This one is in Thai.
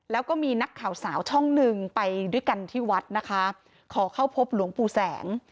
แล้วก็มีนักข่าวสาวช่องหนึ่งไปด้วยกันที่วัดนะคะขอเข้าพบหลวงปู่แสง